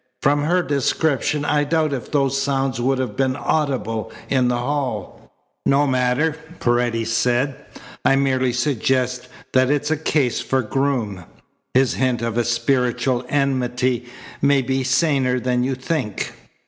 "From her description I doubt if those sounds would have been audible in the hall." "No matter," Paredes said. "I merely suggest that it's a case for Groom. His hint of a spiritual enmity may be saner than you think."